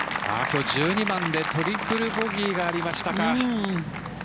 １２番でトリプルボギーがありましたか。